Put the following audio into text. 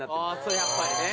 やっぱりね。